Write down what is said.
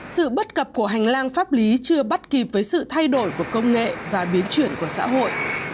sự bất cập của hành lang pháp lý chưa bắt kịp với sự thay đổi của công nghệ và biến chuyển của xã hội